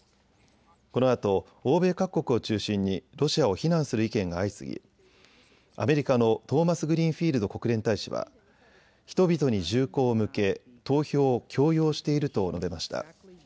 このあと欧米各国を中心にロシアを非難する意見が相次ぎアメリカのトーマスグリーンフィールド国連大使は人々に銃口を向け投票を強要していると述べました。